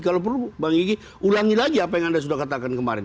kalau perlu bang egy ulangi lagi apa yang anda sudah katakan kemarin